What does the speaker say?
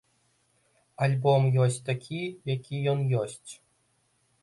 Альбом ёсць такі, які ён ёсць.